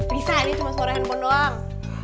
bisa ini cuma suara handphone doang